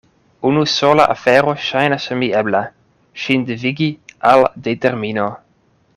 Unu sola afero ŝajnas al mi ebla: ŝin devigi al determino.